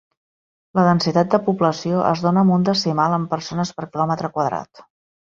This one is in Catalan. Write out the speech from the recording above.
La densitat de població es dóna amb un decimal en persones per quilòmetre quadrat.